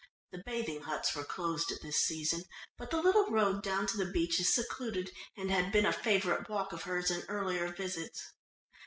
The bathing huts were closed at this season, but the little road down to the beach is secluded and had been a favourite walk of hers in earlier visits.